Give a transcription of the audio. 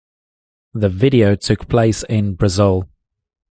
The video took place in Brazil.